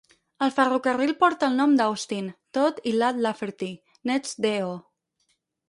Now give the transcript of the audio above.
El ferrocarril porta el nom d'Austin, Todd i Ladd Lafferty, nets d'E. O.